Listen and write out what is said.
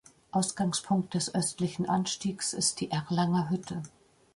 Ausgangspunkt des östlichen Anstiegs ist die Erlanger Hütte.